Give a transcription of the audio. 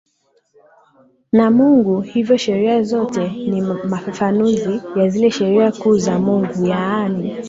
na Mungu hivyo Sheria zote ni mafafanuzi ya zile sheria kuu za Mungu yaani